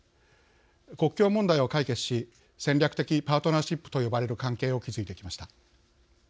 国境問題を解決し戦略的パートナーシップと呼ばれる関係を築いてきました。